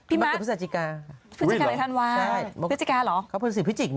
พี่มาพิชกาในธันวาส์พิชกาหรอ